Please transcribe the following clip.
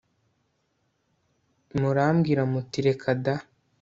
murambwira muti 'reka da